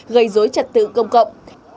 gây dối trật tự công cộng